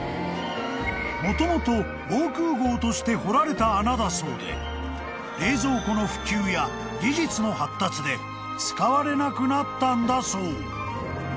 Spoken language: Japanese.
［もともと防空壕として掘られた穴だそうで冷蔵庫の普及や技術の発達で使われなくなったんだそう］